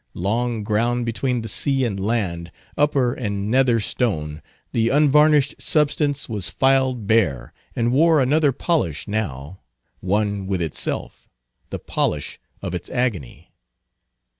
Long ground between the sea and land, upper and nether stone, the unvarnished substance was filed bare, and wore another polish now, one with itself, the polish of its agony.